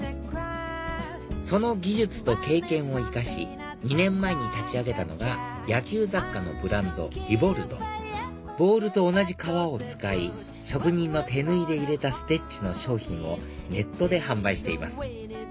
その技術と経験を生かし２年前に立ち上げたのが野球雑貨のブランドｒｅｂｏｌｌｄボールと同じ革を使い職人の手縫いで入れたステッチの商品をネットで販売しています